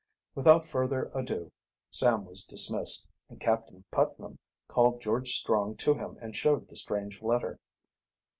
Without further ado Sam was dismissed, and Captain Putnam called George Strong to him and showed the strange letter.